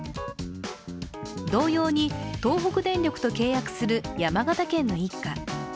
同様に東北電力を契約する山形県の一家。